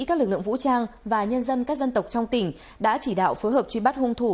các lực lượng vũ trang và nhân dân các dân tộc trong tỉnh đã chỉ đạo phối hợp truy bắt hung thủ